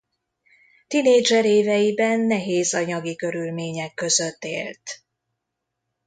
Tinédzser éveiben nehéz anyagi körülmények között élt.